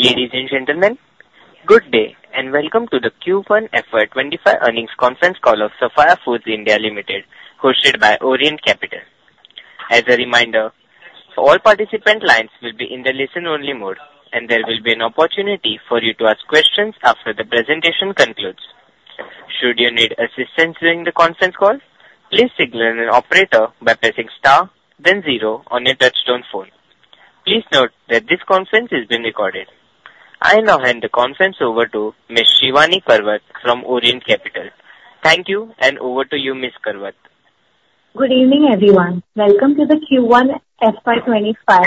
Ladies, and gentlemen, good day, and welcome to the Q1 FY 2025 Earnings Conference Call of Sapphire Foods India Limited, hosted by Orient Capital. As a reminder, all participant lines will be in the listen-only mode, and there will be an opportunity for you to ask questions after the presentation concludes. Should you need assistance during the conference call, please signal an operator by pressing star then zero on your touchtone phone. Please note that this conference is being recorded. I now hand the conference over to Ms. Shivani Karwat from Orient Capital. Thank you, and over to you, Ms. Karwat. Good evening, everyone. Welcome to the Q1 FY 2025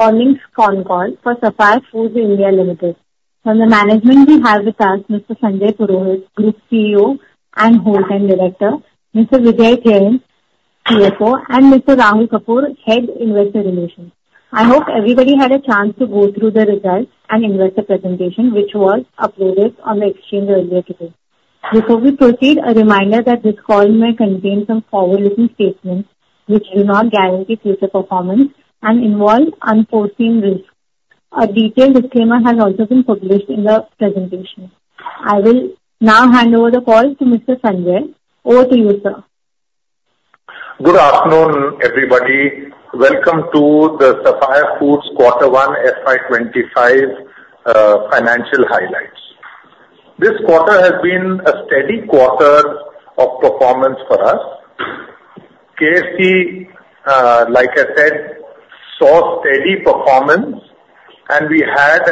Earnings Conference Call for Sapphire Foods India Limited. From the management, we have with us Mr. Sanjay Purohit, Group CEO and Whole Time Director, Mr. Vijay Jain, CFO, and Mr. Rahul Kapoor, Head, Investor Relations. I hope everybody had a chance to go through the results and investor presentation, which was uploaded on the exchange earlier today. Before we proceed, a reminder that this call may contain some forward-looking statements, which do not guarantee future performance and involve unforeseen risks. A detailed disclaimer has also been published in the presentation. I will now hand over the call to Mr. Sanjay. Over to you, sir. Good afternoon, everybody. Welcome to the Sapphire Foods Quarter One FY 2025 financial highlights. This quarter has been a steady quarter of performance for us. KFC, like I said, saw steady performance, and we had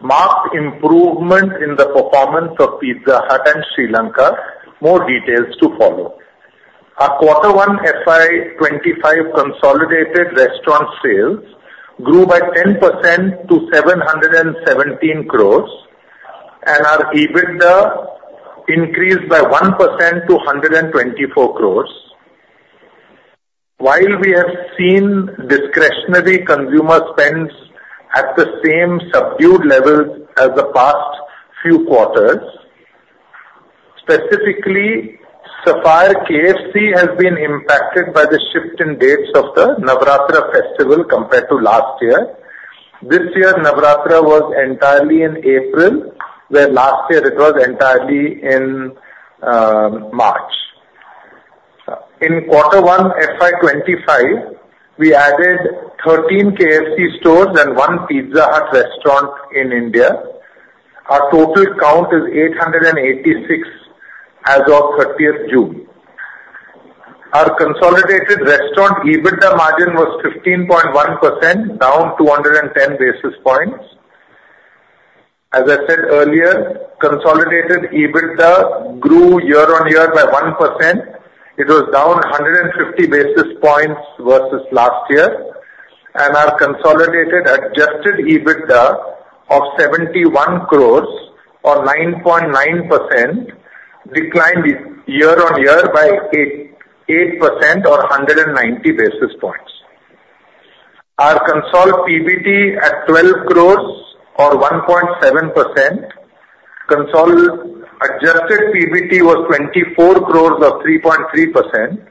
marked improvement in the performance of Pizza Hut and Sri Lanka. More details to follow. Our quarter one FY 2025 consolidated restaurant sales grew by 10% to 717 crores, and our EBITDA increased by 1% to 124 crores. While we have seen discretionary consumer spends at the same subdued levels as the past few quarters, specifically, Sapphire KFC has been impacted by the shift in dates of the Navratri festival compared to last year. This year's Navratri was entirely in April, where last year it was entirely in March. In quarter one FY 2025, we added 13 KFC stores and one Pizza Hut restaurant in India. Our total count is 886 as of 30th June. Our consolidated restaurant EBITDA margin was 15.1%, down 210 basis points. As I said earlier, consolidated EBITDA grew year-on-year by 1%. It was down 150 basis points versus last year, and our consolidated adjusted EBITDA of 71 crore or 9.9% declined year-on-year by 8.8% or 190 basis points. Our consolidated PBT at 12 crore or 1.7%. Consolidated adjusted PBT was 24 crore or 3.3%.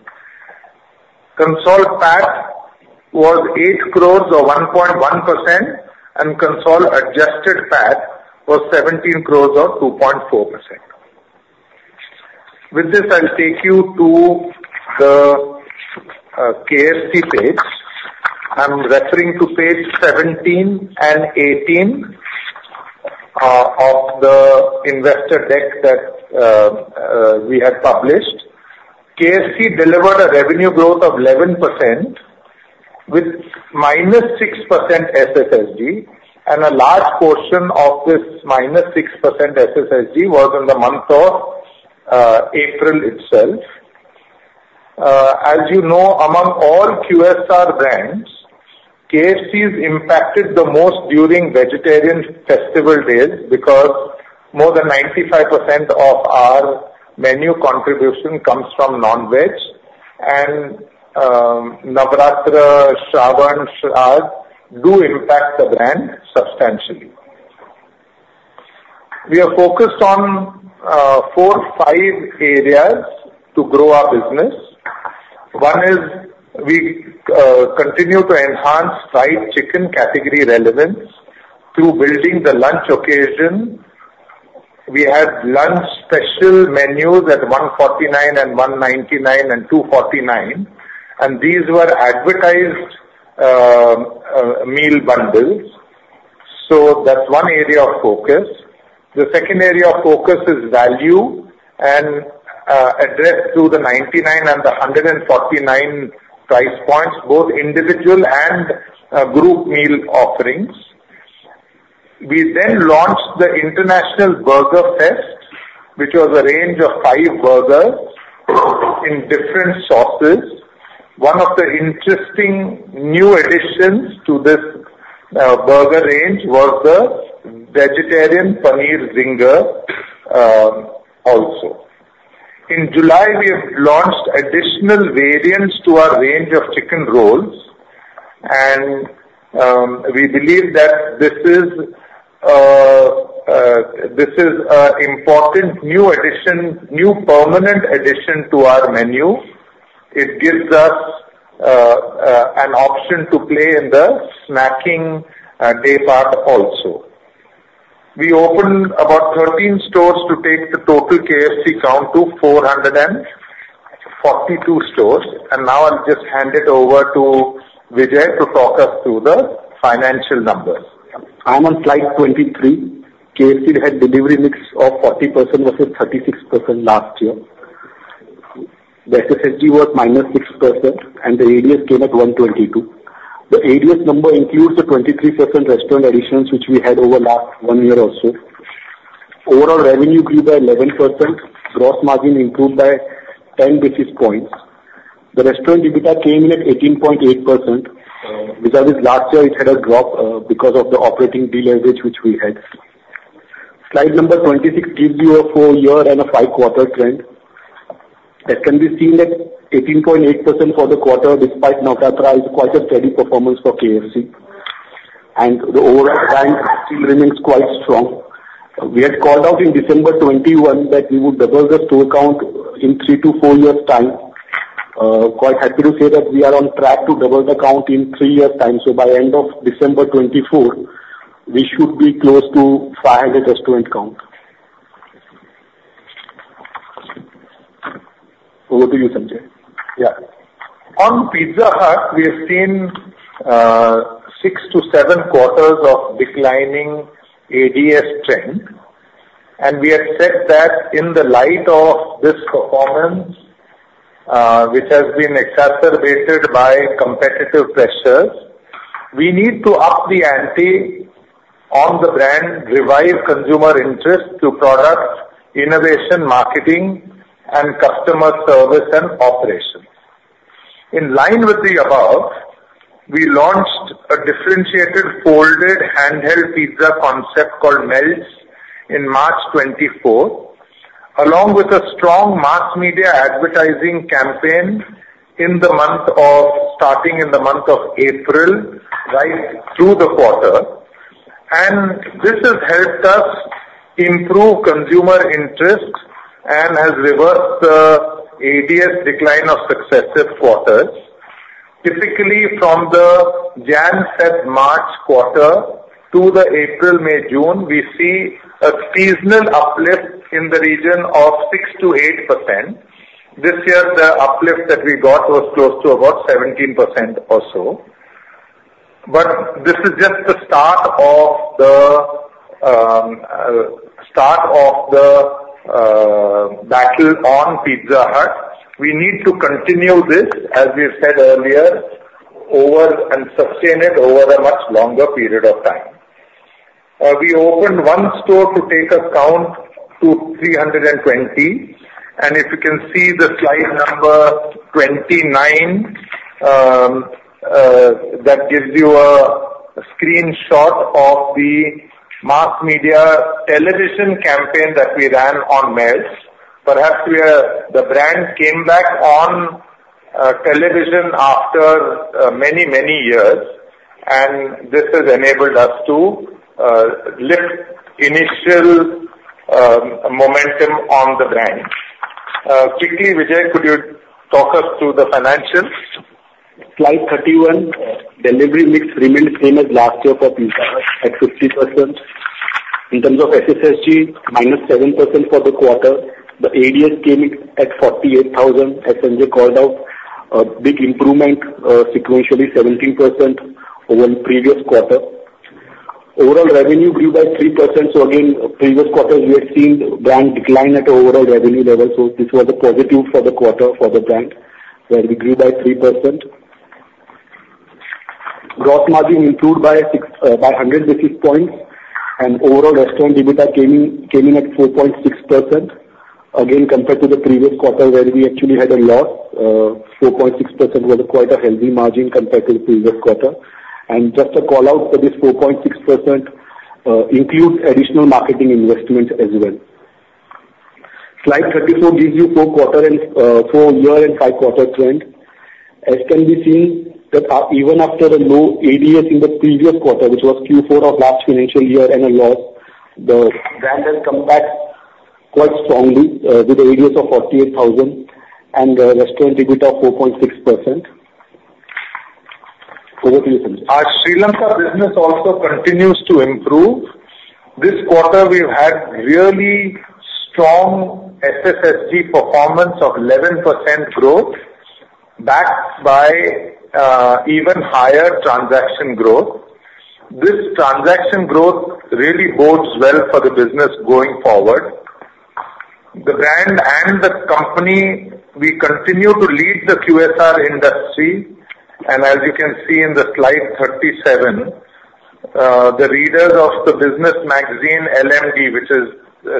Consolidated PAT was 8 crore or 1.1%, and consolidated adjusted PAT was 17 crore or 2.4%. With this, I'll take you to the KFC page. I'm referring to page 17 and 18 of the investor deck that we had published. KFC delivered a revenue growth of 11% with -6% SSSG, and a large portion of this -6% SSSG was in the month of April itself. As you know, among all QSR brands, KFC is impacted the most during vegetarian festival days because more than 95% of our menu contribution comes from non-veg, and Navratri, Shravan, Shradh do impact the brand substantially. We are focused on 4-5 areas to grow our business. One is we continue to enhance fried chicken category relevance through building the lunch occasion. We have lunch special menus at 149 and 199 and 249, and these were advertised meal bundles. So that's one area of focus. The second area of focus is value and addressed through the 99 and the 149 price points, both individual and group meal offerings. We then launched the International Burger Fest, which was a range of five burgers in different sauces. One of the interesting new additions to this burger range was the vegetarian Paneer Zinger also. In July, we have launched additional variants to our range of chicken rolls, and we believe that this is a important new addition, new permanent addition to our menu. It gives us an option to play in the snacking day part also. We opened about 13 stores to take the total KFC count to 442 stores, and now I'll just hand it over to Vijay to talk us through the financial numbers. I'm on slide 23. KFC had delivery mix of 40% versus 36% last year. The SSSG was -6%, and the ADS came at 122. The ADS number includes the 23% restaurant additions, which we had over last one year or so. Overall revenue grew by 11%, gross margin improved by 10 basis points. The restaurant EBITDA came in at 18.8%, which was last year it had a drop, because of the operating deleverage which we had. Slide number 26 gives you a four year and a five quarter trend. As can be seen at 18.8% for the quarter, despite Navratri, is quite a steady performance for KFC, and the overall brand still remains quite strong. We had called out in December 2021 that we would double the store count in three to four years' time. Quite happy to say that we are on track to double the count in three years' time, so by end of December 2024, we should be close to 500 restaurant count. Over to you, Sanjay. Yeah. On Pizza Hut, we have seen six to seven quarters of declining ADS trend, and we have said that in the light of this performance, which has been exacerbated by competitive pressures, we need to up the ante on the brand, revive consumer interest to product innovation, marketing, and customer service and operations. In line with the above, we launched a differentiated folded handheld pizza concept called Melts in March 2024, along with a strong mass media advertising campaign starting in the month of April, right through the quarter. And this has helped us improve consumer interest and has reversed the ADS decline of successive quarters. Typically, from the January, February, March quarter to the April, May, June, we see a seasonal uplift in the region of 6%-8%. This year, the uplift that we got was close to about 17% or so. But this is just the start of the battle on Pizza Hut. We need to continue this, as we said earlier, over and sustain it over a much longer period of time. We opened one store to take our count to 320, and if you can see the slide number 29, that gives you a screenshot of the mass media television campaign that we ran on Melts. Perhaps we are. The brand came back on television after many, many years, and this has enabled us to lift initial momentum on the brand. Quickly, Vijay, could you talk us through the financials? Slide 31. Delivery mix remained same as last year for Pizza Hut at 50%. In terms of SSSG, -7% for the quarter. The ADS came in at 48,000. As Sanjay called out, a big improvement, sequentially 17% over the previous quarter. Overall revenue grew by 3%, so again, previous quarter we had seen brand decline at overall revenue level, so this was a positive for the quarter for the brand, where we grew by 3%. Gross margin improved by six- by 100 basis points, and overall restaurant EBITDA came in, came in at 4.6%. Again, compared to the previous quarter, where we actually had a loss, 4.6% was quite a healthy margin compared to the previous quarter. And just a call out for this 4.6%, includes additional marketing investments as well. Slide 34 gives you four quarter and four year and five quarter trend. As can be seen, that up, even after a low ADS in the previous quarter, which was Q4 of last financial year and a loss, the brand has come back quite strongly, with ADS of 48,000 and the restaurant EBITDA of 4.6%. Over to you, Sanjay. Our Sri Lanka business also continues to improve. This quarter we've had really strong SSSG performance of 11% growth, backed by, even higher transaction growth. This transaction growth really bodes well for the business going forward. The brand and the company, we continue to lead the QSR industry, and as you can see in the slide 37, the readers of the business magazine LMD, which is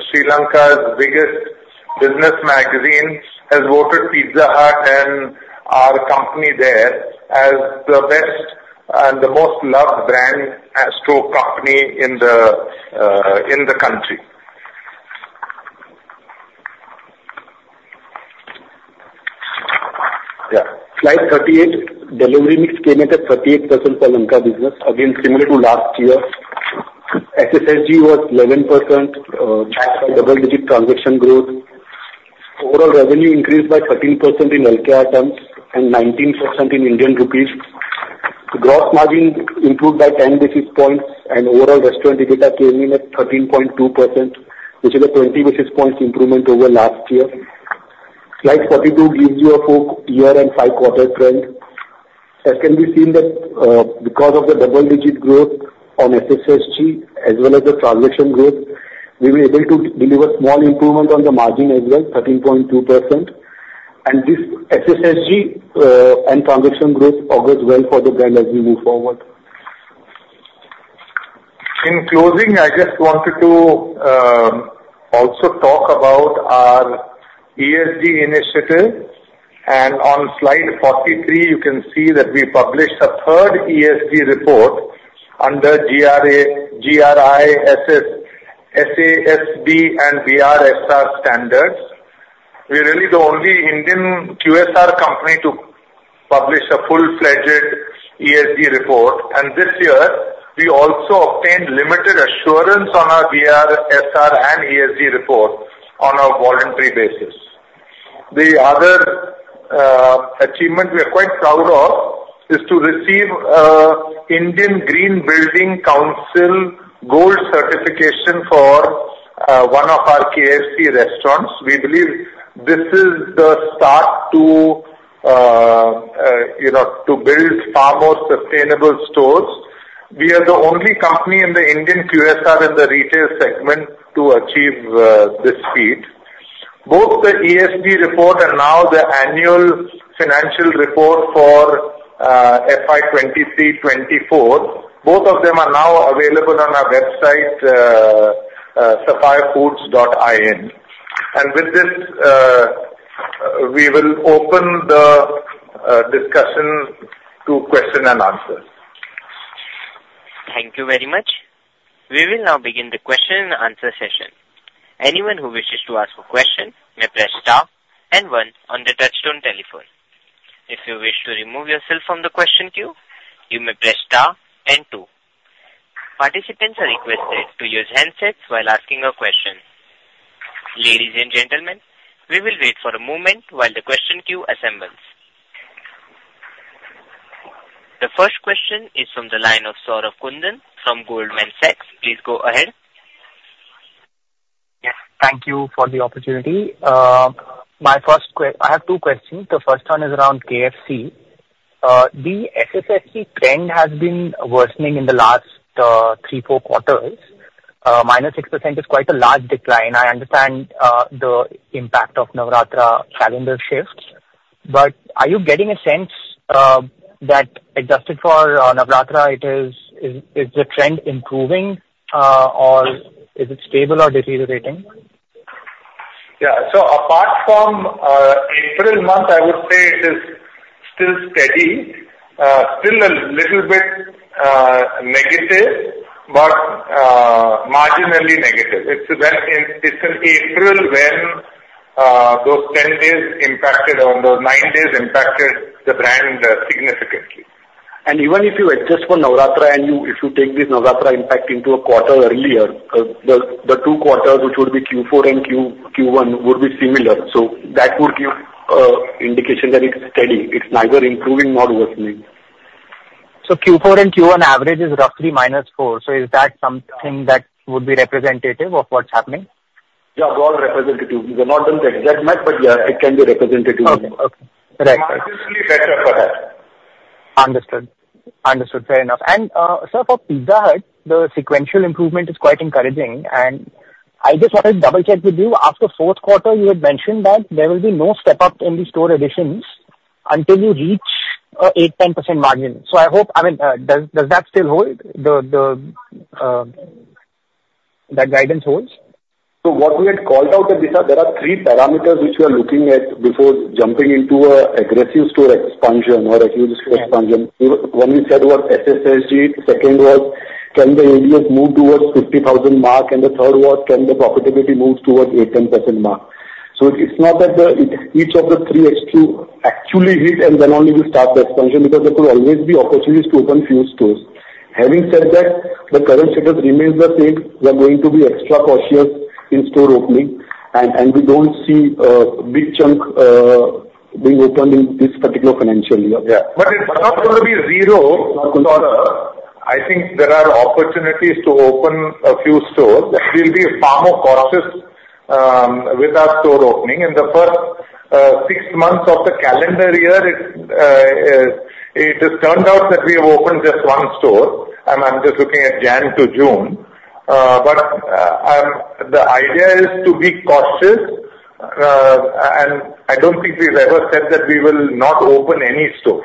Sri Lanka's biggest business magazine, has voted Pizza Hut and our company there as the best and the most loved brand as to company in the, in the country.... Yeah. Slide 38, delivery mix came at a 38% for Lanka business, again, similar to last year. SSSG was 11%, backed by double-digit transaction growth. Overall revenue increased by 13% in LKR terms and 19% in Indian rupees. Gross margin improved by 10 basis points, and overall restaurant EBITDA came in at 13.2%, which is a 20 basis points improvement over last year. Slide 42 gives you a full year and five quarter trend. As can be seen that, because of the double-digit growth on SSSG as well as the transaction growth, we were able to deliver small improvement on the margin as well, 13.2%. And this SSSG, and transaction growth augurs well for the brand as we move forward. In closing, I just wanted to also talk about our ESG initiative. On slide 43, you can see that we published a third ESG report under GRI, SASB and BRSR standards. We're really the only Indian QSR company to publish a full-fledged ESG report, and this year we also obtained limited assurance on our BRSR and ESG report on a voluntary basis. The other achievement we are quite proud of is to receive a Indian Green Building Council Gold Certification for one of our KFC restaurants. We believe this is the start to you know to build far more sustainable stores. We are the only company in the Indian QSR in the retail segment to achieve this feat. Both the ESG report and now the annual financial report for FY 2023-2024, both of them are now available on our website, sapphirefoods.in. With this, we will open the discussion to question and answer. Thank you very much. We will now begin the question and answer session. Anyone who wishes to ask a question may press star and one on the touchtone telephone. If you wish to remove yourself from the question queue, you may press star and two. Participants are requested to use handsets while asking a question. Ladies and gentlemen, we will wait for a moment while the question queue assembles. The first question is from the line of Saurabh Kundan from Goldman Sachs. Please go ahead. Yes, thank you for the opportunity. My first question. I have two questions. The first one is around KFC. The SSSG trend has been worsening in the last three, four quarters. -6% is quite a large decline. I understand the impact of Navratri calendar shifts, but are you getting a sense that adjusted for Navratri, is the trend improving or is it stable or deteriorating? Yeah. So apart from April month, I would say it is still steady, still a little bit negative, but marginally negative. It's in April, when those ten days impacted or those nine days impacted the brand significantly. Even if you adjust for Navratri and you, if you take this Navratri impact into a quarter earlier, the two quarters, which would be Q4 and Q1, would be similar. So that would give an indication that it's steady. It's neither improving nor worsening. Q4 and Q1 average is roughly -4. Is that something that would be representative of what's happening? Yeah, more representative. We've not done the adjustment, but yeah, it can be representative. Oh, okay. Right. Marginally better, perhaps. Understood. Understood. Fair enough. And, sir, for Pizza Hut, the sequential improvement is quite encouraging, and I just wanted to double-check with you. After fourth quarter, you had mentioned that there will be no step up in the store additions until you reach 8%-10% margin. So I hope... I mean, does that still hold, the guidance holds? So what we had called out at Pizza Hut, there are three parameters which we are looking at before jumping into a aggressive store expansion or aggressive store expansion. One we said was SSSG, the second was, can the ADS move towards 50,000 mark? And the third was, can the profitability move towards 8%-10% mark? So it's not that the, each of the three has to actually hit and then only we'll start the expansion, because there could always be opportunities to open few stores. Having said that, the current status remains the same. We are going to be extra cautious in store opening, and we don't see a big chunk being opened in this particular financial year. Yeah, but it's not gonna be zero for us. I think there are opportunities to open a few stores, but we'll be far more cautious with our store opening. In the first six months of the calendar year, it has turned out that we have opened just one store, and I'm just looking at January to June. But the idea is to be cautious, and I don't think we've ever said that we will not open any store.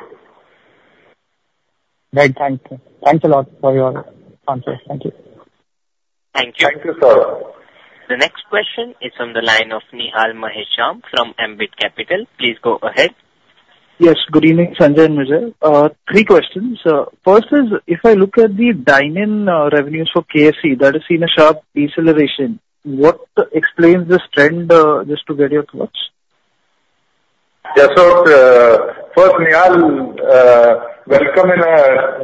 Right. Thank you. Thanks a lot for your answers. Thank you. Thank you. Thank you, Saurabh. The next question is from the line of Nihal Mahesh Jham from Ambit Capital. Please go ahead. Yes, good evening, Sanjay and Vijay. Three questions. First is, if I look at the dine-in revenues for KFC, that has seen a sharp deceleration. What explains this trend, just to get your thoughts?... Yeah, so, first, Nihal, welcome in a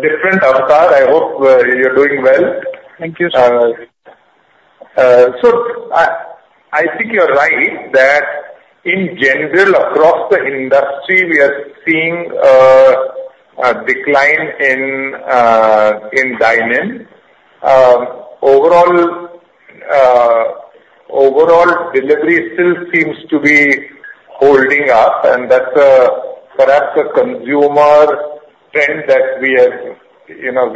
different avatar. I hope you're doing well. Thank you, sir. So I think you're right, that in general, across the industry, we are seeing a decline in dine-in. Overall, overall delivery still seems to be holding up, and that's perhaps a consumer trend that we are, you know,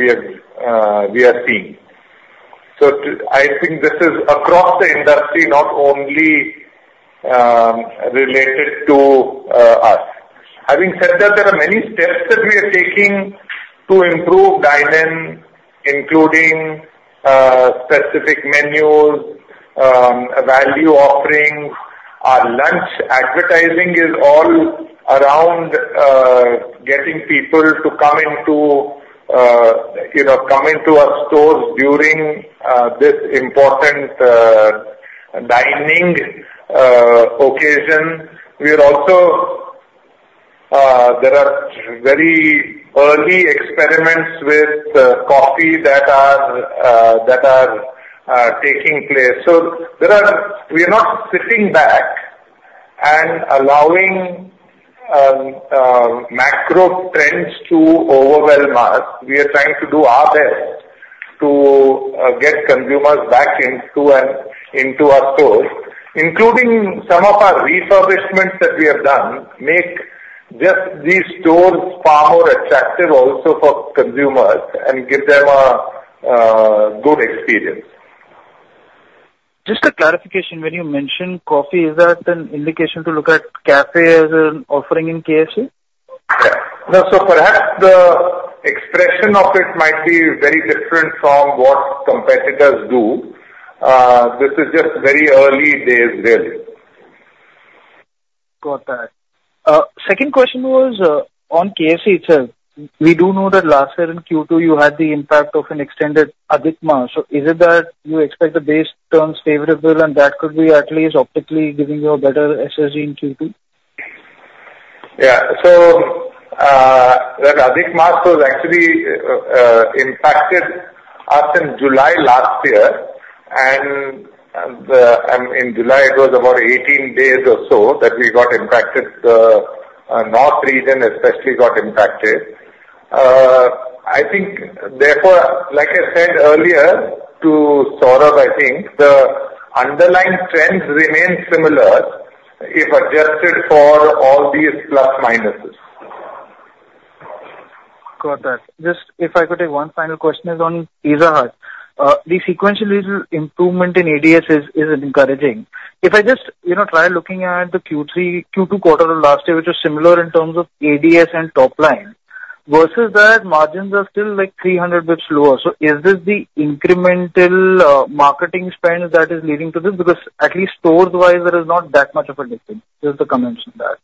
we are seeing. So I think this is across the industry, not only related to us. Having said that, there are many steps that we are taking to improve dine-in, including specific menus, value offerings. Our lunch advertising is all around getting people to come into, you know, come into our stores during this important dining occasion. We are also there are very early experiments with coffee that are taking place. We are not sitting back and allowing macro trends to overwhelm us. We are trying to do our best to get consumers back into our stores, including some of our refurbishments that we have done, make just these stores far more attractive also for consumers and give them a good experience. Just a clarification. When you mention coffee, is that an indication to look at cafe as an offering in KFC? Yeah. No, so perhaps the expression of it might be very different from what competitors do. This is just very early days there. Got that. Second question was on KFC itself. We do know that last year in Q2, you had the impact of an extended Adhik Maas. So is it that you expect the base terms favorable, and that could be at least optically giving you a better SSG in Q2? Yeah. So, the Adhik Maas was actually impacted us in July last year, and in July it was about 18 days or so that we got impacted, North region especially got impacted. I think therefore, like I said earlier to Saurabh, I think the underlying trends remain similar if adjusted for all these plus, minuses. Got that. Just if I could take one final question is on Pizza Hut. The sequential improvement in ADS is encouraging. If I just, you know, try looking at the Q3, Q2 quarter of last year, which was similar in terms of ADS and top line, versus that, margins are still like 300 basis points lower. So is this the incremental marketing spend that is leading to this? Because at least stores-wise, there is not that much of a difference. Just to comment on that.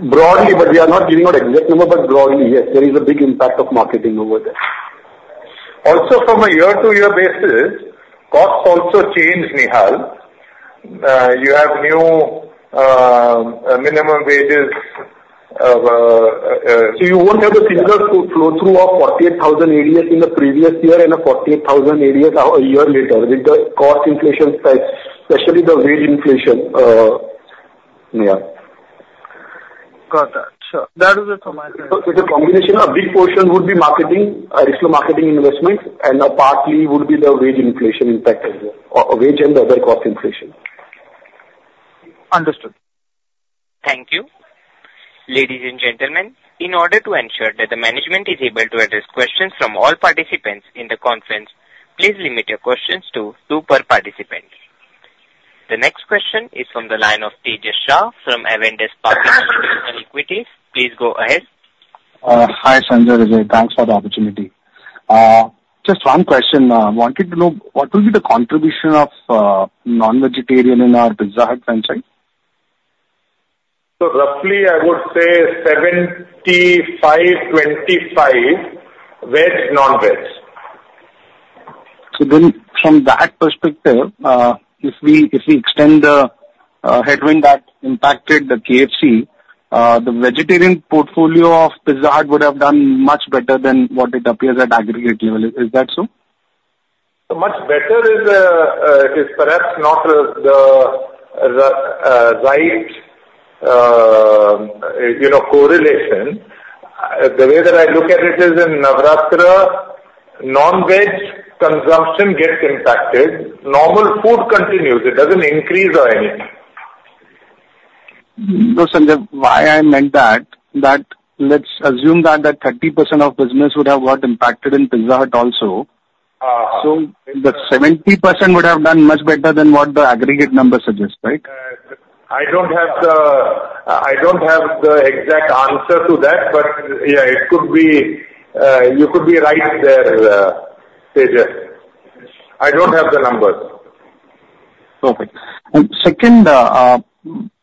Broadly, but we are not giving out exactly, but broadly, yes, there is a big impact of marketing over there. Also, from a year-to-year basis, costs also change, Nihal. You have new minimum wages. So you won't have a similar flow, flow-through of 48,000 ADS in the previous year and a 48,000 ADS a year later. With the cost inflation side, especially the wage inflation, yeah. Got that. So that was it for my end. So it's a combination. A big portion would be marketing, extra marketing investments, and partly would be the wage inflation impact as well, wage and other cost inflation. Understood. Thank you. Ladies and gentlemen, in order to ensure that the management is able to address questions from all participants in the conference, please limit your questions to two per participant. The next question is from the line of Tejas Shah from Avendus Spark Institutional Equities. Please go ahead. Hi, Sanjay, Vijay. Thanks for the opportunity. Just one question. Wanted to know, what will be the contribution of non-vegetarian in our Pizza Hut franchise? Roughly, I would say 75, 25, veg, non-veg. So then from that perspective, if we extend the headwind that impacted the KFC, the vegetarian portfolio of Pizza Hut would have done much better than what it appears at aggregate level. Is that so? Much better is perhaps not the right, you know, correlation. The way that I look at it is in Navratri, non-veg consumption gets impacted. Normal food continues. It doesn't increase or anything. No, Sanjay, what I meant that, that let's assume that the 30% of business would have got impacted in Pizza Hut also. Uh- The 70% would have done much better than what the aggregate number suggests, right? I don't have the exact answer to that, but yeah, it could be, you could be right there, Tejas. I don't have the numbers. Perfect. And second,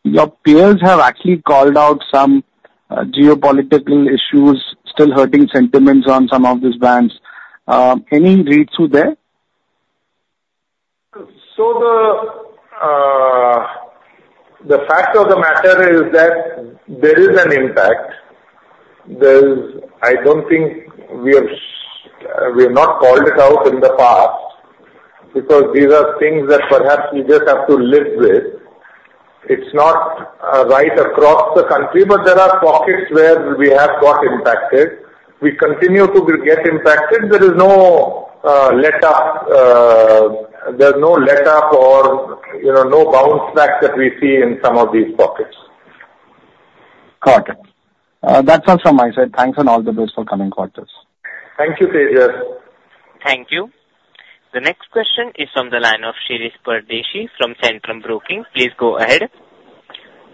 your peers have actually called out some geopolitical issues still hurting sentiments on some of these brands. Any read through there? ...So the fact of the matter is that there is an impact. There's. I don't think we have, we have not called it out in the past, because these are things that perhaps we just have to live with. It's not right across the country, but there are pockets where we have got impacted. We continue to get impacted. There is no letup, there's no letup or, you know, no bounce back that we see in some of these pockets. Got it. That's all from my side. Thanks, and all the best for coming quarters. Thank you, Tejas. Thank you. The next question is from the line of Shirish Pardeshi from Centrum Broking. Please go ahead.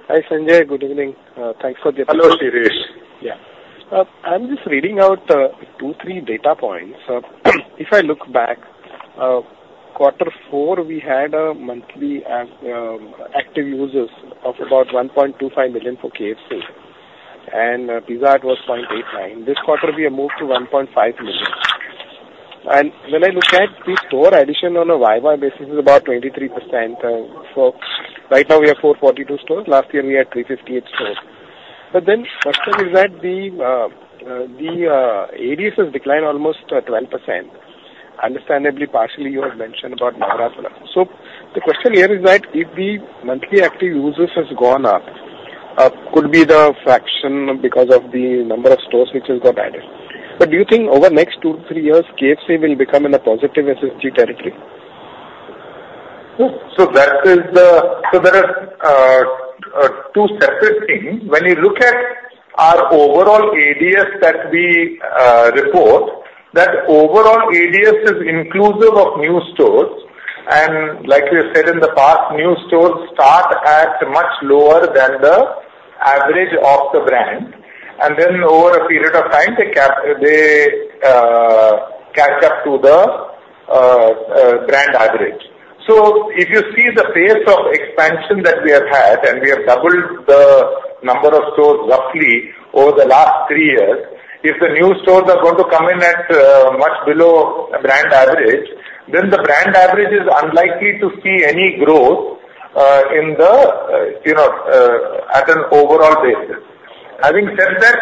Hi, Sanjay. Good evening. Thanks for the- Hello, Shirish. Yeah. I'm just reading out two, three data points. If I look back quarter four, we had monthly active users of about 1.25 million for KFC, and Pizza Hut was 0.89. This quarter, we have moved to 1.5 million. And when I look at the store addition on a Y-Y basis, it is about 23%. And so right now we have 442 stores. Last year, we had 358 stores. But the question is that the ADS has declined almost 12%. Understandably, partially, you have mentioned about Navratri. So the question here is that if the monthly active users has gone up, could be the fraction because of the number of stores which has got added. Do you think over the next two to three years, KFC will become in a positive SSG territory? So there are two separate things. When you look at our overall ADS that we report, that overall ADS is inclusive of new stores. And like we said in the past, new stores start at much lower than the average of the brand, and then over a period of time, they catch up to the brand average. So if you see the pace of expansion that we have had, and we have doubled the number of stores roughly over the last three years, if the new stores are going to come in at much below brand average, then the brand average is unlikely to see any growth in the you know at an overall basis. Having said that,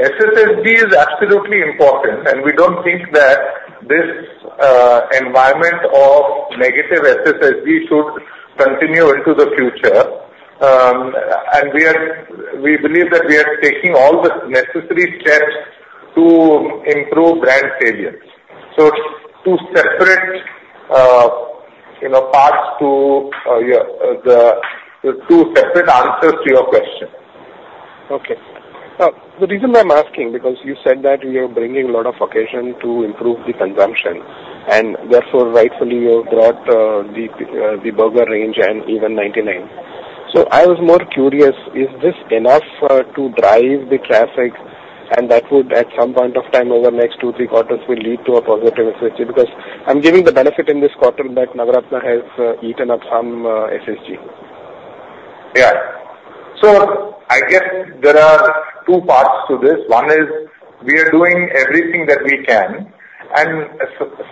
SSSG is absolutely important, and we don't think that this environment of negative SSSG should continue into the future. And we are we believe that we are taking all the necessary steps to improve brand cadence. So two separate, you know, parts to two separate answers to your question. Okay. The reason I'm asking, because you said that you're bringing a lot of occasion to improve the consumption, and therefore, rightfully, you have brought the burger range and even 99. So I was more curious, is this enough to drive the traffic, and that would, at some point of time over the next two, three quarters, will lead to a positive effect? Because I'm giving the benefit in this quarter that Navratri has eaten up some SSG. Yeah. So I guess there are two parts to this. One is, we are doing everything that we can, and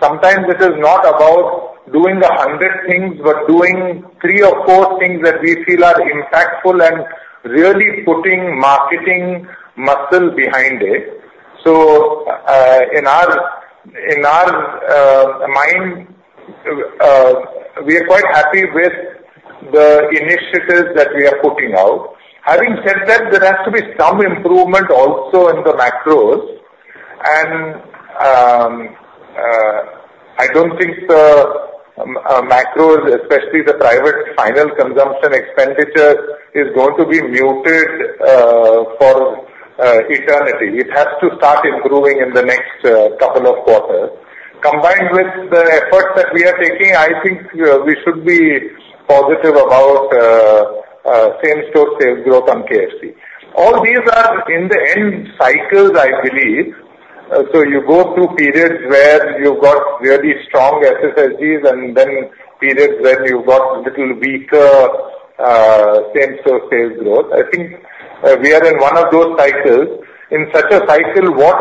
sometimes it is not about doing 100 things, but doing three or four things that we feel are impactful and really putting marketing muscle behind it. So, in our mind, we are quite happy with the initiatives that we are putting out. Having said that, there has to be some improvement also in the macros. And, I don't think the macros, especially the private final consumption expenditure, is going to be muted for eternity. It has to start improving in the next couple of quarters. Combined with the efforts that we are taking, I think we should be positive about same-store sales growth on KFC. All these are in the end cycles, I believe. So you go through periods where you've got really strong SSSGs and then periods when you've got a little weaker same-store sales growth. I think we are in one of those cycles. In such a cycle, what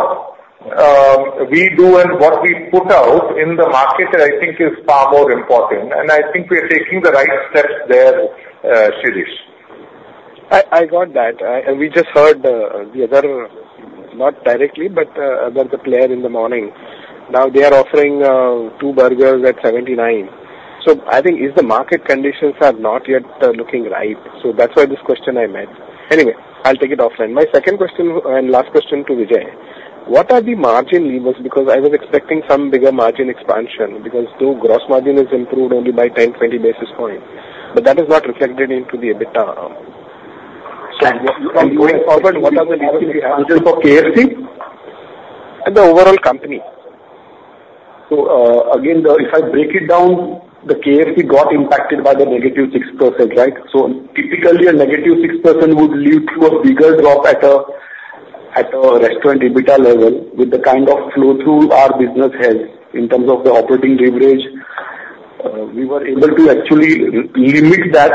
we do and what we put out in the market, I think is far more important, and I think we are taking the right steps there, Shirish. I got that. We just heard the other, not directly, but the other player in the morning. Now they are offering two burgers at 79. So I think is the market conditions are not yet looking right. So that's why this question I made. Anyway, I'll take it offline. My second question and last question to Vijay: What are the margin levers? Because I was expecting some bigger margin expansion, because though gross margin is improved only by 10-20 basis points, but that is not reflected into the EBITDA. Going forward, what are the levers we have for KFC? The overall company? So, again, if I break it down, the KFC got impacted by the negative 6%, right? So typically, a negative 6% would lead to a bigger drop at a restaurant EBITDA level with the kind of flow through our business has in terms of the operating leverage. We were able to actually limit that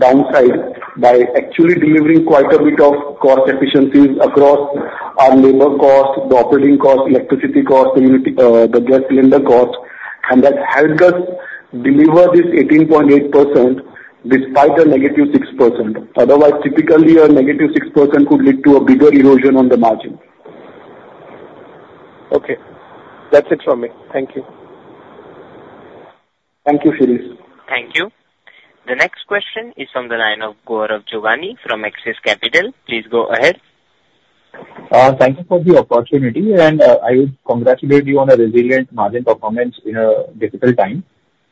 downside by actually delivering quite a bit of cost efficiencies across our labor cost, the operating cost, electricity cost, the gas cylinder cost, and that helped us deliver this 18.8% despite the negative 6%. Otherwise, typically, a negative 6% could lead to a bigger erosion on the margin. Okay. That's it from me. Thank you. Thank you, Shirish. Thank you. The next question is from the line of Gaurav Jogani from Axis Capital. Please go ahead. Thank you for the opportunity, and, I would congratulate you on a resilient margin performance in a difficult time.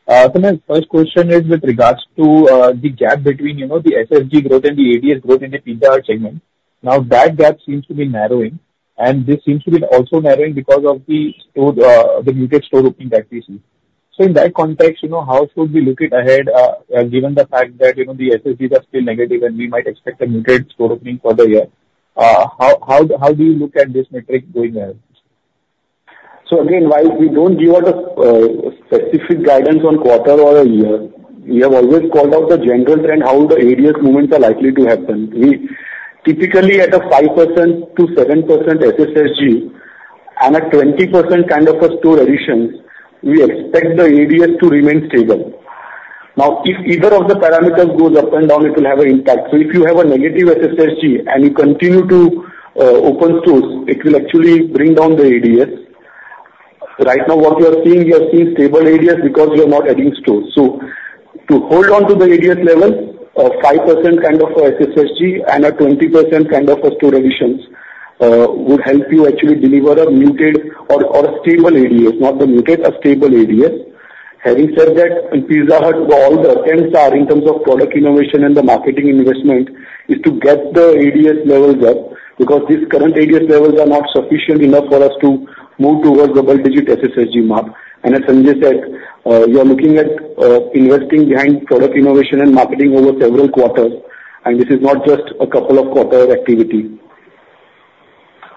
So my first question is with regards to, the gap between, you know, the SSG growth and the ADS growth in the Pizza Hut segment. Now, that gap seems to be narrowing, and this seems to be also narrowing because of the store, the muted store opening that we see. So in that context, you know, how should we look it ahead, given the fact that, you know, the SSGs are still negative, and we might expect a muted store opening for the year? How, how, how do you look at this metric going ahead? So again, while we don't give out a specific guidance on quarter or a year, we have always called out the general trend, how the ADS movements are likely to happen. We typically at a 5%-7% SSSG and a 20% kind of a store additions, we expect the ADS to remain stable. Now, if either of the parameters goes up and down, it will have an impact. So if you have a negative SSSG and you continue to open stores, it will actually bring down the ADS. Right now, what we are seeing, we are seeing stable ADS because we are not adding stores. So to hold on to the ADS level, a 5% kind of a SSSG and a 20% kind of a store additions would help you actually deliver a muted or, or a stable ADS, not the muted, a stable ADS. Having said that, in Pizza Hut, all the attempts are in terms of product innovation and the marketing investment is to get the ADS levels up, because these current ADS levels are not sufficient enough for us to move towards double-digit SSG mark. And as Sanjay said, you are looking at investing behind product innovation and marketing over several quarters, and this is not just a couple of quarter activity.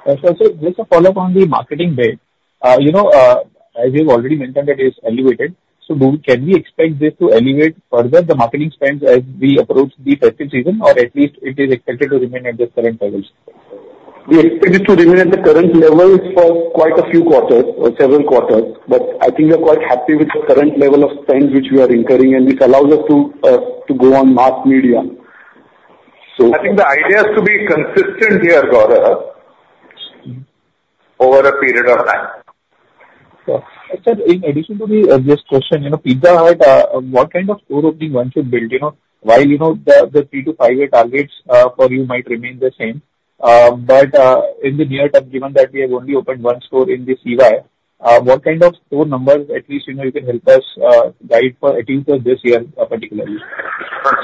Sir, just a follow-up on the marketing bit. You know, as you've already mentioned, that is elevated. So can we expect this to elevate further the marketing spends as we approach the festive season, or at least it is expected to remain at the current levels? We expect it to remain at the current levels for quite a few quarters or several quarters, but I think we are quite happy with the current level of spend which we are incurring, and which allows us to go on mass media. So- I think the idea is to be consistent here, Gaurav, over a period of time. Sure. Sir, in addition to this question, you know, Pizza Hut, what kind of store opening one should build? You know, while you know the three to five-year targets for you might remain the same, but in the near term, given that we have only opened one store in this FY, what kind of store numbers at least, you know, you can help us guide for at least for this year, particularly?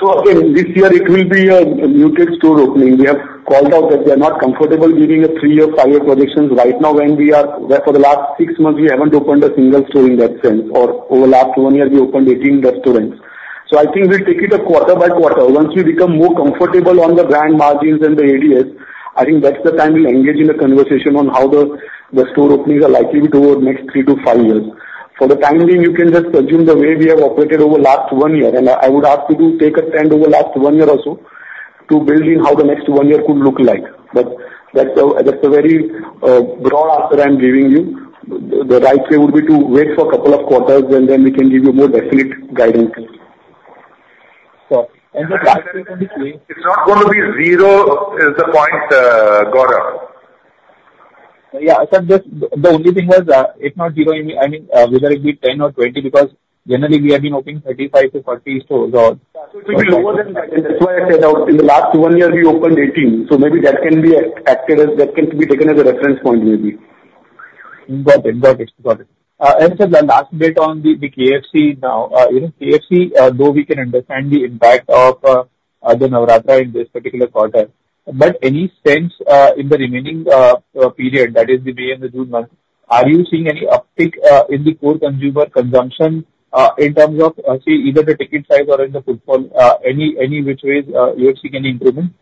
So again, this year it will be a, a muted store opening. We have called out that we are not comfortable giving a three year, five year projections right now, when we are... Where for the last six months, we haven't opened a single store in that sense, or over last one year, we opened 18 restaurants. So I think we'll take it a quarter by quarter. Once we become more comfortable on the brand margins and the ADS, I think that's the time we'll engage in a conversation on how the, the store openings are likely to go over the next three to five years. For the time being, you can just assume the way we have operated over the last one year, and I, I would ask you to take a trend over the last one year or so, to build in how the next 1 year could look like. But that's a very broad answer I'm giving you. The right way would be to wait for a couple of quarters, and then we can give you more definite guidance. Sure. And the- It's not going to be zero, is the point, Gaurav. Yeah, I said this, the only thing is, if not zero, I mean, whether it be 10 or 20, because generally we have been opening 35-40 stores or- It will be lower than that. That's why I said, in the last one year, we opened 18, so maybe that can be taken as a reference point, maybe. Got it. Got it. Got it. And sir, the last bit on the KFC now. You know, KFC, though we can understand the impact of the Navaratri in this particular quarter, but any sense in the remaining period, that is the May and the June month, are you seeing any uptick in the core consumer consumption in terms of say, either the ticket size or in the footfall, any which ways KFC can improve them?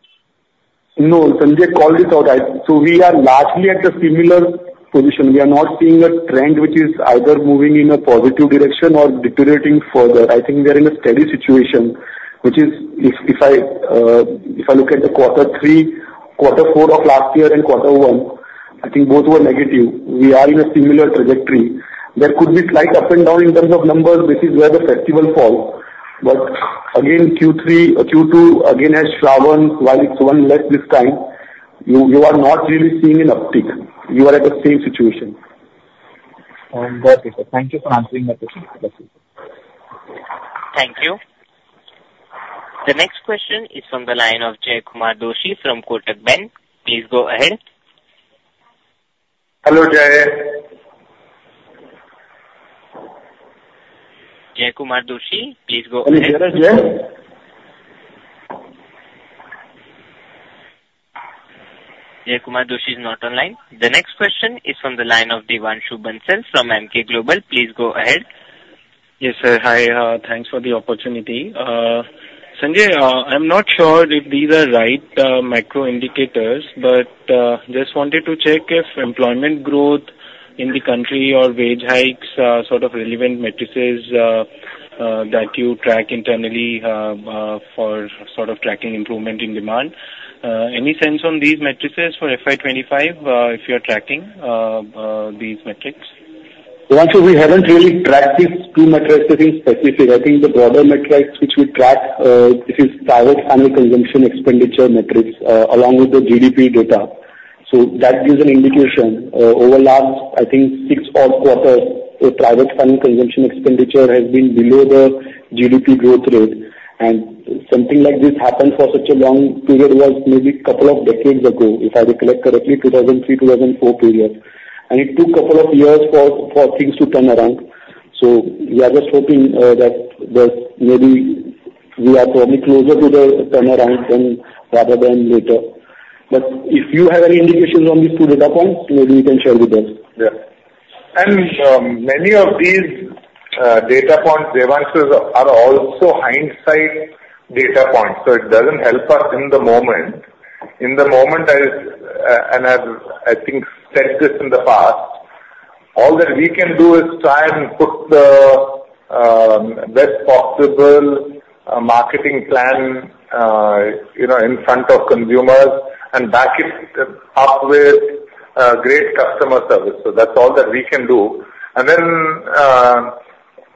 No, Sanjay called it out, right. So we are largely at a similar position. We are not seeing a trend which is either moving in a positive direction or deteriorating further. I think we are in a steady situation, which is if I look at quarter three, quarter four of last year and quarter one, I think both were negative. We are in a similar trajectory. There could be slight up and down in terms of numbers. This is where the festival fall. But again, Q3, Q2, again, as Shravan, while it's one less this time, you are not really seeing an uptick. You are at the same situation. Got it, sir. Thank you for answering my question. Thank you. The next question is from the line of Jaykumar Doshi from Kotak Bank. Please go ahead. Hello, Jay. Jaykumar Doshi, please go ahead. Are you there, Jay? Jaykumar Doshi is not online. The next question is from the line of Devanshu Bansal from Emkay Global. Please go ahead. Yes, sir. Hi, thanks for the opportunity. Sanjay, I'm not sure if these are right macro indicators, but just wanted to check if employment growth in the country or wage hikes sort of relevant metrics that you track internally for sort of tracking improvement in demand. Any sense on these metrics for FY 2025 if you are tracking these metrics? Well, so we haven't really tracked these two metrics as in specific. I think the broader metrics which we track, it is private final consumption expenditure metrics, along with the GDP data. So that gives an indication, over last, I think, six odd quarters, the private final consumption expenditure has been below the GDP growth rate. And something like this happened for such a long period was maybe couple of decades ago, if I recollect correctly, 2003, 2004 period. And it took couple of years for things to turn around. So we are just hoping, that maybe we are probably closer to the turnaround then rather than later. But if you have any indications on these two data points, maybe you can share with us. Yeah. And many of these data points, Devanshu, are also hindsight data points, so it doesn't help us in the moment. In the moment, I and I've, I think, said this in the past, all that we can do is try and put the best possible marketing plan, you know, in front of consumers and back it up with great customer service. So that's all that we can do. And then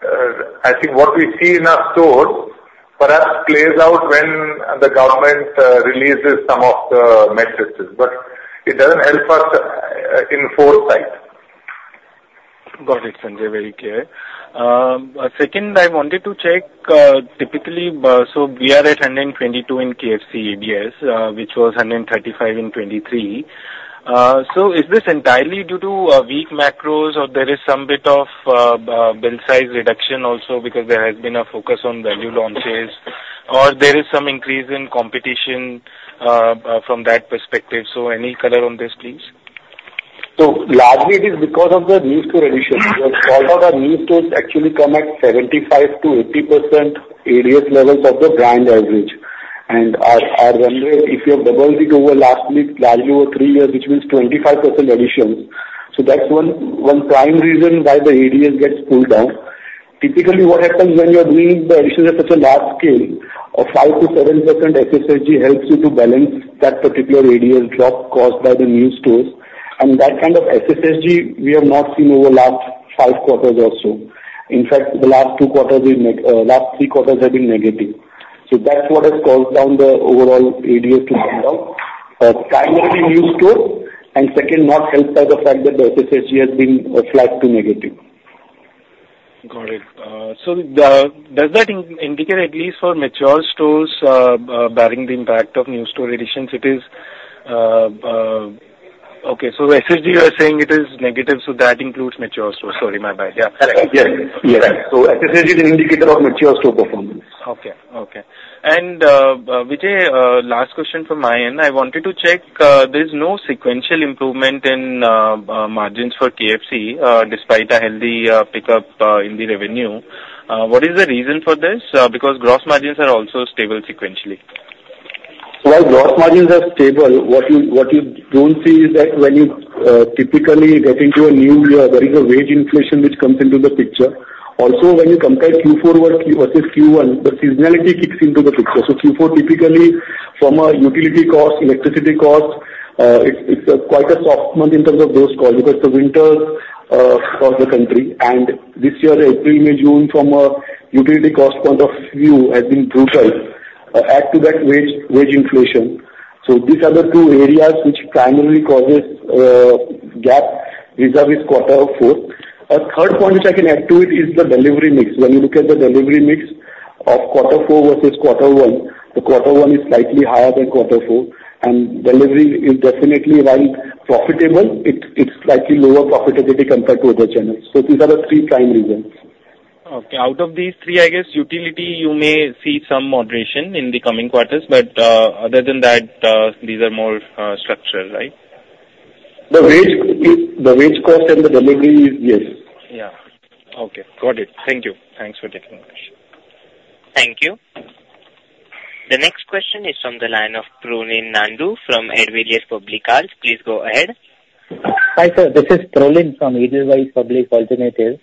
I think what we see in our stores perhaps plays out when the government releases some of the messages, but it doesn't help us in foresight. Got it, Sanjay. Very clear. Second, I wanted to check, typically, so we are at 122 in KFC ADS, which was 135 in 2023. So is this entirely due to, weak macros, or there is some bit of, bill size reduction also because there has been a focus on value launches? Or there is some increase in competition, from that perspective. So any color on this, please? So largely it is because of the new store addition. We have saw that our new stores actually come at 75%-80% ADS levels of the brand average. And our, our run rate, if you have doubled it over last week, largely over three years, which means 25% addition. So that's one, one prime reason why the ADS gets pulled down. Typically, what happens when you are doing the additions at such a large scale, of 5%-7% SSG helps you to balance that particular ADS drop caused by the new stores. And that kind of SSG, we have not seen over last 5 quarters or so. In fact, the last 3 quarters have been negative. So that's what has caused down the overall ADS to come down. Primarily new stores, and second, not helped by the fact that the SSG has been flat to negative. Got it. So, does that indicate at least for mature stores, barring the impact of new store additions, it is... Okay, so SSG, you are saying it is negative, so that includes mature stores. Sorry, my bad. Yeah, correct. Yes. Yes. So SSG is an indicator of mature store performance. Okay. And, Vijay, last question from my end. I wanted to check, there's no sequential improvement in margins for KFC despite a healthy pickup in the revenue. Because gross margins are also stable sequentially. Well, gross margins are stable. What you, what you don't see is that when you typically get into a new year, there is a wage inflation which comes into the picture. Also, when you compare Q4 versus Q1, the seasonality kicks into the picture. So Q4, typically from a utility cost, electricity cost, it's a quite a soft month in terms of those costs, because the winters across the country. And this year, April, May, June, from a utility cost point of view, has been brutal. Add to that wage, wage inflation. So these are the two areas which primarily causes gap vis-à-vis quarter four. A third point which I can add to it is the delivery mix. When you look at the delivery mix of quarter four versus quarter one, the quarter one is slightly higher than quarter four, and delivery is definitely, while profitable, it's slightly lower profitability compared to other channels. So these are the three prime reasons. Okay. Out of these three, I guess utility, you may see some moderation in the coming quarters, but, other than that, these are more, structural, right? The wage is, the wage cost and the delivery is, yes. Yeah. Okay, got it. Thank you. Thanks for taking my question. Thank you. The next question is from the line of Prolin Nandu from Edelweiss Public Alternatives. Please go ahead. Hi, sir. This is Prolin from Edelweiss Public Alternatives.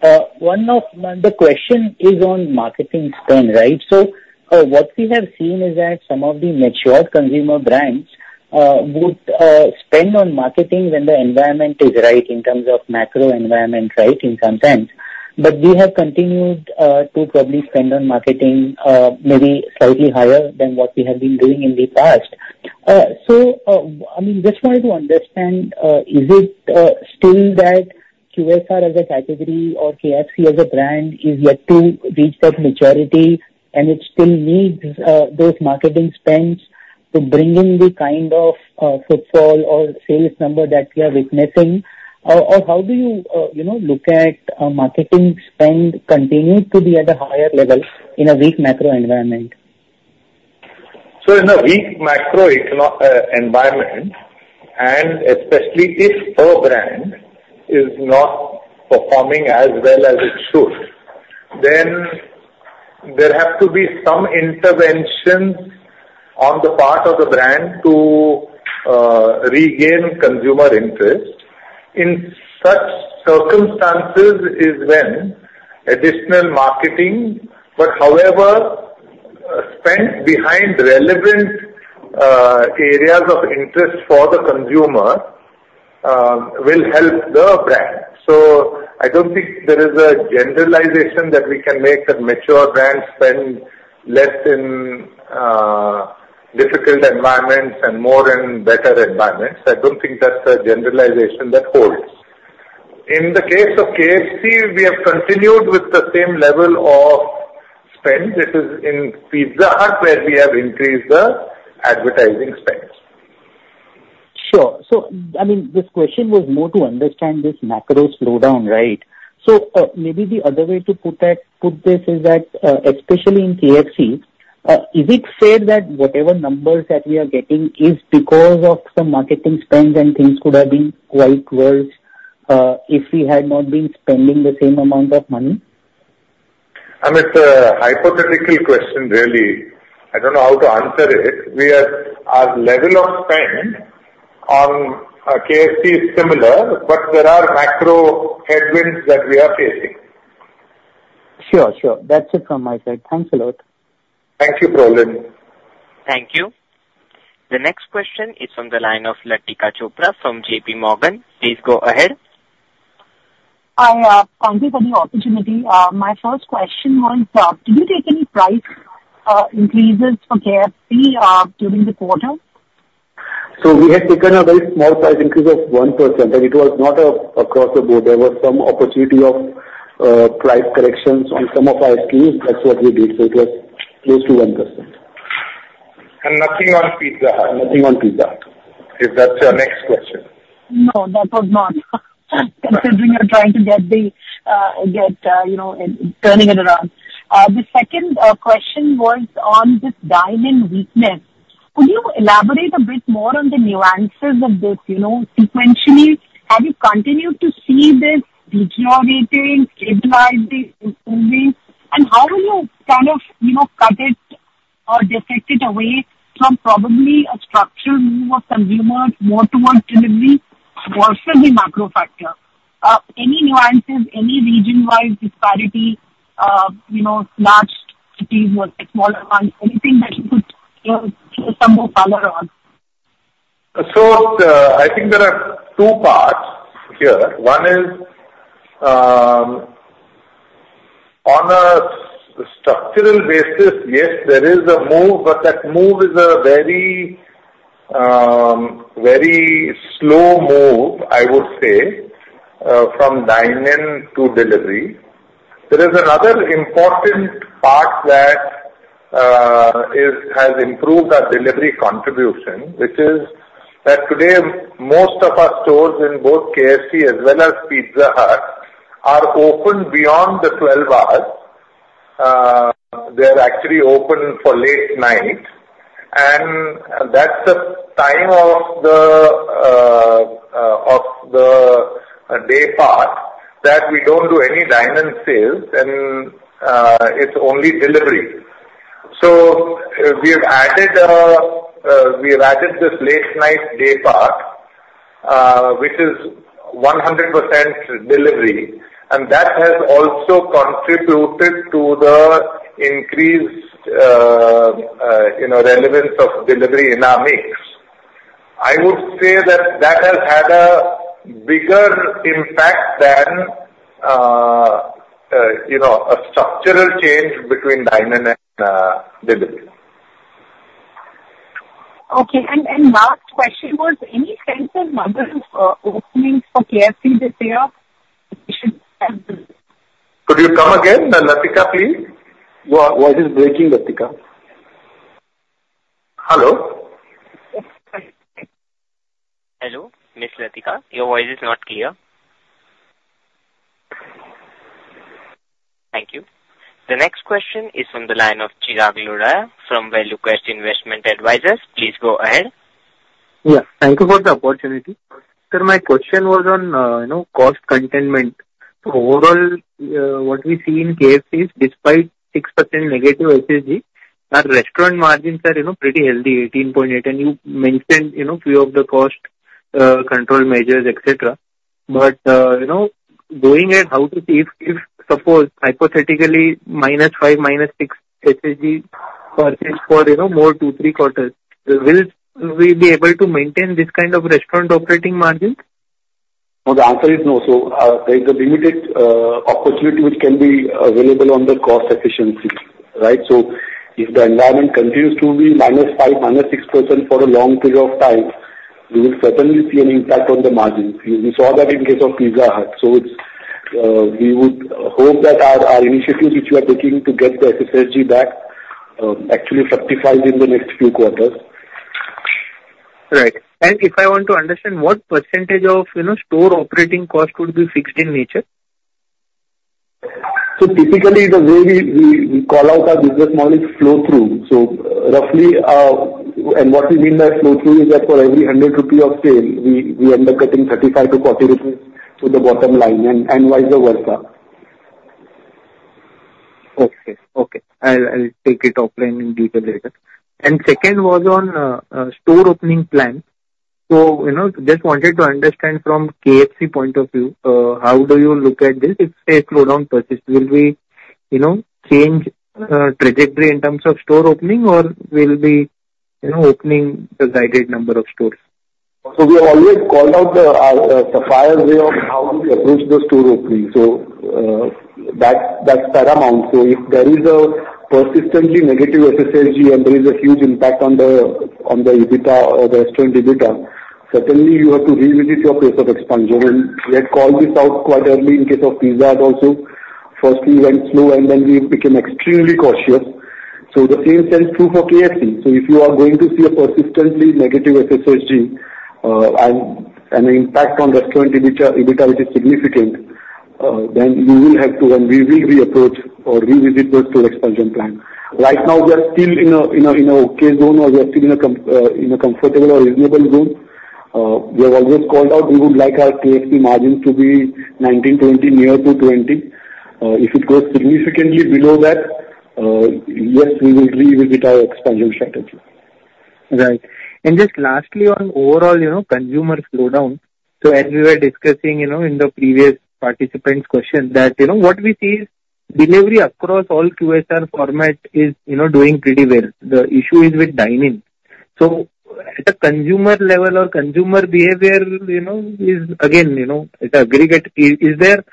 The question is on marketing spend, right? So, what we have seen is that some of the mature consumer brands would spend on marketing when the environment is right, in terms of macro environment, right, in some sense. But we have continued to probably spend on marketing, maybe slightly higher than what we have been doing in the past. So, I mean, just wanted to understand, is it still that QSR as a category or KFC as a brand is yet to reach that maturity, and it still needs those marketing spends to bring in the kind of footfall or sales number that we are witnessing? Or, or how do you, you know, look at marketing spend continuing to be at a higher level in a weak macro environment? So in a weak macro economic environment, and especially if a brand is not performing as well as it should, then there has to be some intervention on the part of the brand to regain consumer interest. In such circumstances is when additional marketing, but however, spent behind relevant areas of interest for the consumer will help the brand. So I don't think there is a generalization that we can make that mature brands spend less in difficult environments and more in better environments. I don't think that's a generalization that holds. In the case of KFC, we have continued with the same level of spend. It is in Pizza Hut where we have increased the advertising spend. Sure. So, I mean, this question was more to understand this macro slowdown, right? So, maybe the other way to put that, put this is that, especially in KFC, is it fair that whatever numbers that we are getting is because of some marketing spend and things could have been quite worse, if we had not been spending the same amount of money? I mean, it's a hypothetical question, really. I don't know how to answer it. Our level of spend on KFC is similar, but there are macro headwinds that we are facing. Sure, sure. That's it from my side. Thanks a lot. Thank you, Prolin. Thank you. The next question is from the line of Latika Chopra from JPMorgan. Please go ahead. I, thank you for the opportunity. My first question was, did you take any price increases for KFC during the quarter? We had taken a very small price increase of 1%, and it was not across the board. There was some opportunity of price corrections on some of our SKUs. That's what we did. So it was close to 1%. Nothing on Pizza Hut. Nothing on Pizza Hut. If that's your next question. No, that was not. Considering you're trying to get the, get, you know, turning it around. The second question was on this dine-in weakness. Could you elaborate a bit more on the nuances of this, you know, sequentially? Have you continued to see this deteriorating, stabilizing, improving, and how will you kind of, you know, cut it or differentiate it away from probably a structural move of consumers more towards delivery, versus the macro factor? Any nuances, any region-wise disparity, you know, large cities or smaller ones, anything that you could, you know, give some more color on? So, I think there are two parts here. One is, on a structural basis, yes, there is a move, but that move is a very, very slow move, I would say, from dine-in to delivery. There is another important part that has improved our delivery contribution, which is that today most of our stores in both KFC as well as Pizza Hut are open beyond the 12 hours. They're actually open for late night, and that's the time of the day part that we don't do any dine-in sales and, it's only delivery. So we have added this late night day part, which is 100% delivery, and that has also contributed to the increased, you know, relevance of delivery in our mix. I would say that that has had a bigger impact than, you know, a structural change between dine-in and delivery. Okay. And last question was, any sense of number of openings for KFC this year? We should have the- Could you come again, Latika, please? Your voice is breaking, Latika. Hello? Hello, Miss Latika, your voice is not clear. Thank you. The next question is from the line of Chirag Lodaya from ValueQuest Investment Advisors. Please go ahead. Yeah, thank you for the opportunity. Sir, my question was on, you know, cost containment. So overall, what we see in KFC is despite 6% negative SSG, our restaurant margins are, you know, pretty healthy, 18.8, and you mentioned, you know, few of the cost control measures, et cetera. But, you know, going ahead, how to see if, suppose, hypothetically, -5, -6 SSG persist for, you know, more two, three quarters, will we be able to maintain this kind of restaurant operating margins? No, the answer is no. So, there is a limited opportunity which can be available on the cost efficiency, right? So if the environment continues to be -5%, -6% for a long period of time, we will certainly see an impact on the margins. We saw that in case of Pizza Hut. So it's, we would hope that our initiatives which we are taking to get the SSG back, actually fructify in the next few quarters. Right. And if I want to understand, what percentage of, you know, store operating costs would be fixed in nature? Typically, the way we call out our business model is flow through. Roughly, and what we mean by flow through is that for every 100 rupee of sale, we end up getting 35-40 rupees to the bottom line and vice versa. Okay, okay. I'll, I'll take it offline and detail later. Second was on store opening plan. So, you know, just wanted to understand from KFC point of view, how do you look at this? If, say, slowdown persists, will we, you know, change trajectory in terms of store opening, or will be, you know, opening the guided number of stores? So we have always called out our Sapphire way on how we approach the store opening. So, that’s paramount. So if there is a persistently negative SSSG, and there is a huge impact on the EBITDA or the restaurant EBITDA, certainly you have to revisit your pace of expansion. And we had called this out quite early in case of Pizza Hut also. First we went slow, and then we became extremely cautious. So the same stands true for KFC. So if you are going to see a persistently negative SSSG, and an impact on restaurant EBITDA, EBITDA which is significant, then we will have to and we will re-approach or revisit the store expansion plan. Right now, we are still in a okay zone, or we are still in a comfortable or reasonable zone. We have always called out, we would like our KFC margins to be 19, 20, near to 20. If it goes significantly below that, yes, we will revisit our expansion strategy. Right. Just lastly, on overall, you know, consumer slowdown. So as we were discussing, you know, in the previous participant's question, that, you know, what we see is delivery across all QSR format is, you know, doing pretty well. The issue is with dine-in. So at a consumer level or consumer behavior, you know, is again, you know, at aggregate, is there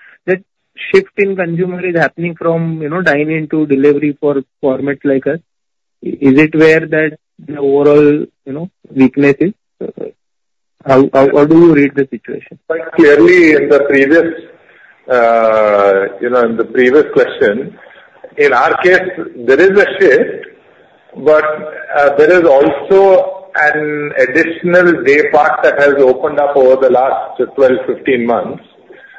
that shift in consumer is happening from, you know, dine-in to delivery for format like us? Is it where that the overall, you know, weakness is? How do you read the situation? But clearly, in the previous, you know, in the previous question, in our case, there is a shift, but there is also an additional day part that has opened up over the last 12, 15 months,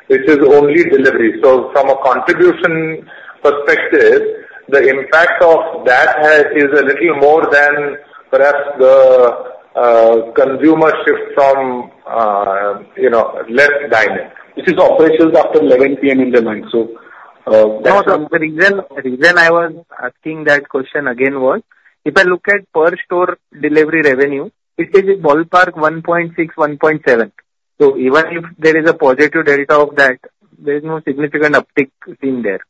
which is only delivery. So from a contribution perspective, the impact of that has, is a little more than perhaps the consumer shift from, you know, less dine-in. This is operations after 11 P.M. in the night, so- No, the reason I was asking that question again was, if I look at per store delivery revenue, it is a ballpark 1.6, 1.7. So even if there is a positive delta of that, there is no significant uptick seen there.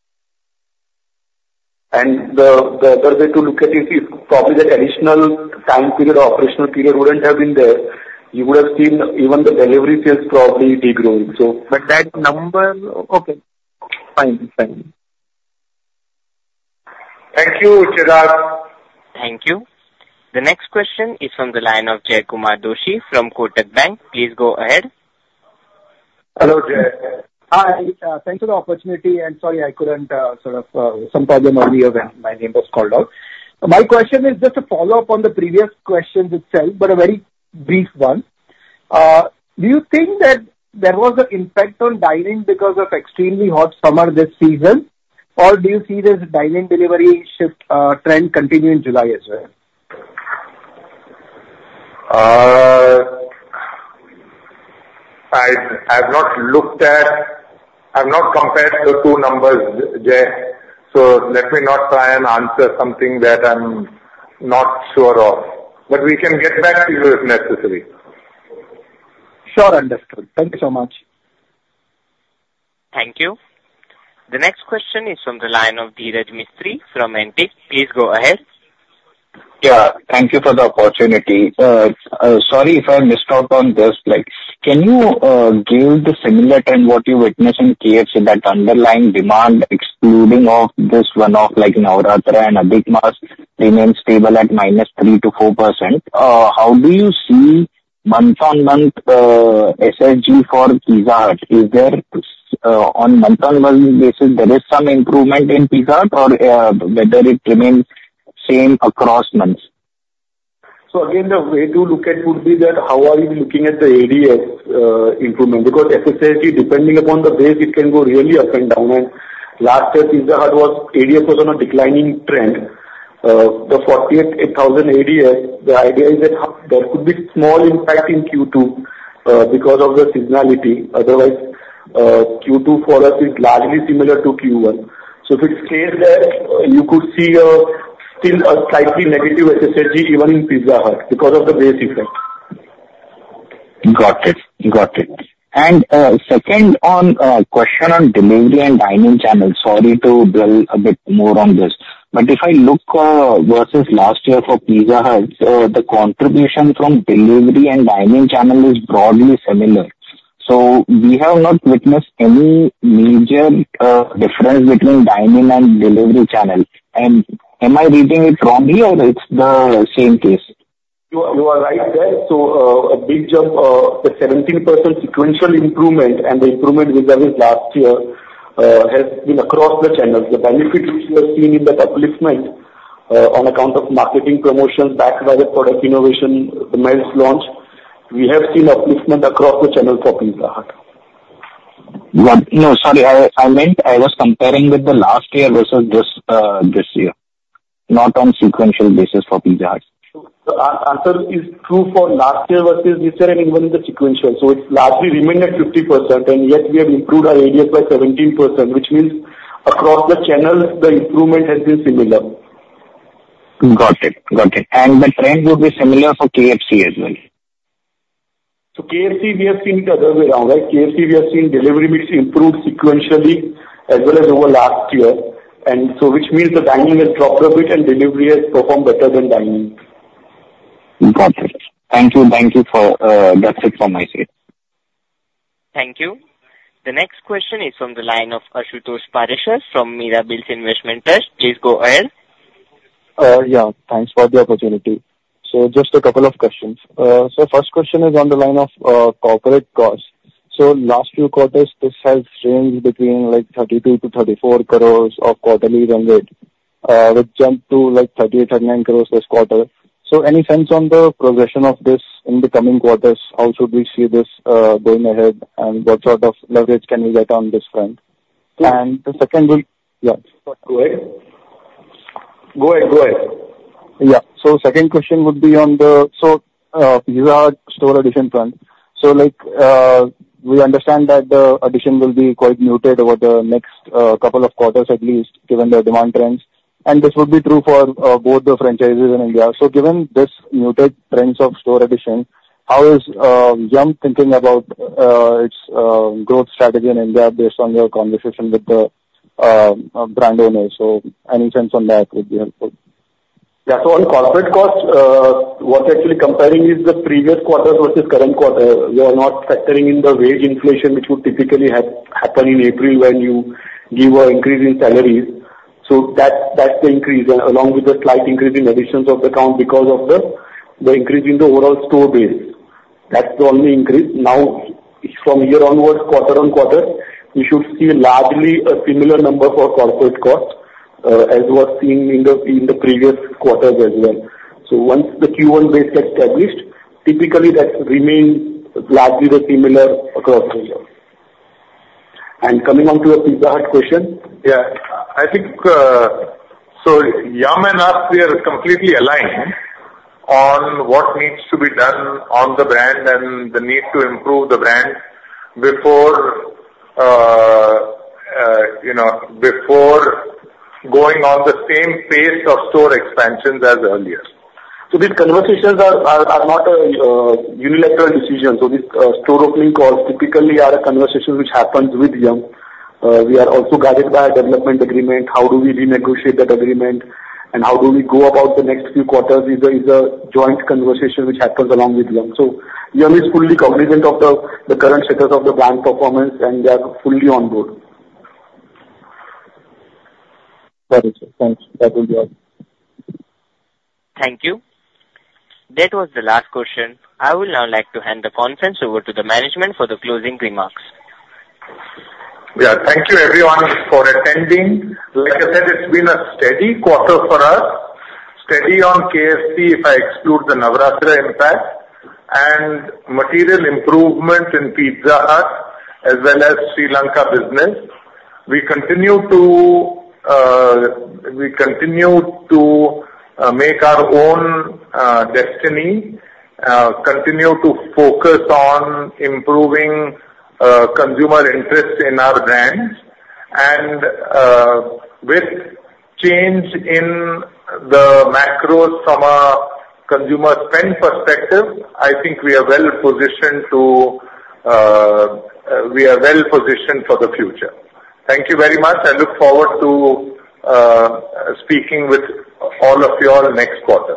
And the other way to look at it is probably the additional time period or operational period wouldn't have been there. You would have seen even the delivery sales probably de-growing. So- But that number... Okay, fine. Fine. Thank you, Chirag. Thank you. The next question is from the line of Jaykumar Doshi from Kotak Bank. Please go ahead. Hello, Jay. Hi, thanks for the opportunity, and sorry I couldn't, sort of, some problem earlier when my name was called out. My question is just a follow-up on the previous questions itself, but a very brief one. Do you think that there was an impact on dine-in because of extremely hot summer this season? Or do you see this dine-in delivery shift, trend continue in July as well? I've not looked at... I've not compared the two numbers, Jay, so let me not try and answer something that I'm not sure of, but we can get back to you if necessary. Sure, understood. Thank you so much. Thank you. The next question is from the line of Dhiraj Mistry from Antique. Please go ahead. Yeah, thank you for the opportunity. Sorry if I missed out on this, like, can you give the similar time what you witnessed in KFC, that underlying demand excluding of this one-off, like Navratri and Onam remains stable at -3% to -4%. How do you see month-on-month SSG for Pizza Hut? Is there on month-on-month basis, there is some improvement in Pizza Hut or whether it remains same across months? So again, the way to look at would be that how are you looking at the ADS improvement? Because SSG, depending upon the base, it can go really up and down. And last year, Pizza Hut was, ADS was on a declining trend. The 48,000 ADS, the idea is that there could be small impact in Q2 because of the seasonality. Otherwise, Q2 for us is largely similar to Q1. So if it stays there, you could see still a slightly negative SSG, even in Pizza Hut, because of the base effect. Got it. Got it. Second question on delivery and dine-in channels. Sorry to drill a bit more on this, but if I look versus last year for Pizza Hut, the contribution from delivery and dine-in channel is broadly similar. So we have not witnessed any major difference between dine-in and delivery channel. And am I reading it wrongly or it's the same case? You are, you are right there. So, a big jump, the 17% sequential improvement and the improvement vis-à-vis last year, has been across the channels. The benefit which we have seen in that upliftment, on account of marketing promotions backed by the product innovation, the Melts launch, we have seen upliftment across the channel for Pizza Hut. No, sorry, I meant I was comparing with the last year versus this, this year. ... Not on sequential basis for Pizza Hut. Our answer is true for last year versus this year and even the sequential. It's largely remained at 50%, and yet we have improved our ADS by 17%, which means across the channel, the improvement has been similar. Got it. Got it. And the trend would be similar for KFC as well? So KFC, we have seen it the other way around, right? KFC, we have seen delivery mix improve sequentially as well as over last year. So which means the dining has dropped a bit and delivery has performed better than dining. Got it. Thank you. Thank you for, that's it from my side. Thank you. The next question is from the line of Ashutosh Parashar from Mirabilis Investment Trust. Please go ahead. Yeah, thanks for the opportunity. So just a couple of questions. So first question is on the line of corporate costs. So last few quarters, this has ranged between, like, 32 crore-34 crore quarterly run rate, which jumped to, like, 38 crore-39 crore this quarter. So any sense on the progression of this in the coming quarters? How should we see this going ahead, and what sort of leverage can we get on this front? And the second will... Yeah. Go ahead. Go ahead, go ahead. Yeah. So second question would be on the, so, you had store addition front. So like, we understand that the addition will be quite muted over the next, couple of quarters, at least, given the demand trends, and this would be true for, both the franchises in India. So given this muted trends of store addition, how is, Yum! thinking about, its, growth strategy in India based on your conversation with the, brand owners? So any sense on that would be helpful. Yeah, so on corporate costs, what's actually comparing is the previous quarter versus current quarter. We are not factoring in the wage inflation, which would typically happen in April, when you give an increase in salaries. So that, that's the increase, along with the slight increase in additions of the count because of the increase in the overall store base. That's the only increase. Now, from here onwards, quarter on quarter, you should see largely a similar number for corporate costs, as was seen in the previous quarters as well. So once the Q1 base gets established, typically that remains largely the similar across the year. And coming on to the Pizza Hut question?a Yeah. I think so, Yum! and us, we are completely aligned on what needs to be done on the brand and the need to improve the brand before, you know, before going on the same pace of store expansions as earlier. So these conversations are not a unilateral decision. So these store opening calls typically are a conversation which happens with Yum! We are also guided by a development agreement. How do we renegotiate that agreement, and how do we go about the next few quarters is a joint conversation which happens along with Yum! So Yum! is fully cognizant of the current status of the brand performance, and they are fully on board. Got it, sir. Thanks. That will be all. Thank you. That was the last question. I will now like to hand the conference over to the management for the closing remarks. Yeah. Thank you everyone for attending. Like I said, it's been a steady quarter for us. Steady on KFC, if I exclude the Navratri impact, and material improvement in Pizza Hut as well as Sri Lanka business. We continue to make our own destiny, continue to focus on improving consumer interest in our brands. And with change in the macros from a consumer spend perspective, I think we are well positioned for the future. Thank you very much and look forward to speaking with all of you all next quarter.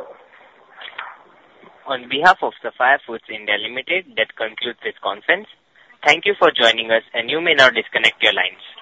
On behalf of Sapphire Foods India Limited, that concludes this conference. Thank you for joining us, and you may now disconnect your lines.